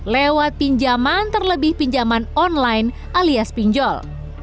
lewat pinjaman terlebih pinjaman online alias pinjol